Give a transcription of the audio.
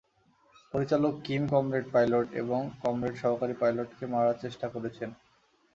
পরিচালক Kim comrade pilot এবং comrade সহকারী পাইলটকে মারার চেষ্টা করেছেন।